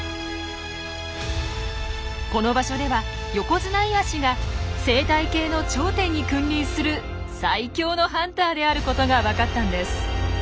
この場所ではヨコヅナイワシが生態系の頂点に君臨する最強のハンターであることがわかったんです。